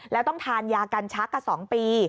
แล้วต้องทานยากันชัก๒ปี